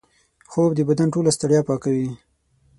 خوب د بدن ټوله ستړیا پاکوي